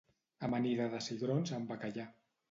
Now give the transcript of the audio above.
Amanida de cigrons amb bacallà